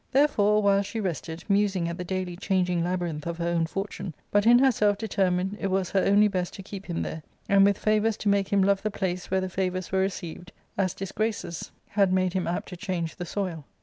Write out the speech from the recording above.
Therefore a while she rested, musing at the daily changing labyrinth of her own fortune, but in herself determined it was her only best to keep him there, and with favours to make him love the place where the favours were received, as disgraces had made him apt to change the soil.